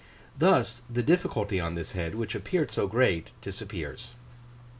Thus the difficulty on this head, which appeared so great, disappears.